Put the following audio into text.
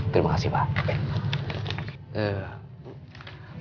terima kasih pak